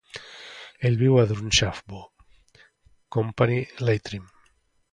Ell viu a Drumshanbo, Company Leitrim.